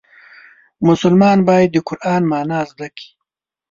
مسلمان باید د قرآن معنا زده کړي.